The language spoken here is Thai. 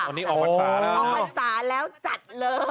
วันนี้ออกพรรษาแล้วออกพรรษาแล้วจัดเลย